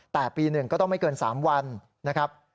แต่ปีหนึ่งก็ต้องไม่เกิน๓วันนะครับ